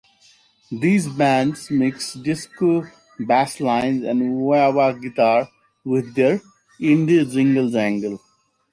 These bands mixed disco basslines and wah-wah guitar with their indie jingle-jangle.